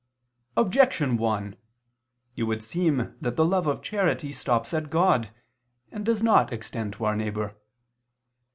Objection 1: It would seem that the love of charity stops at God and does not extend to our neighbor.